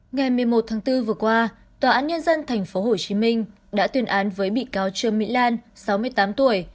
ngày một mươi một tháng bốn vừa qua tòa án nhân dân tp hcm đã tuyên án với bị cáo trương mỹ lan sáu mươi tám tuổi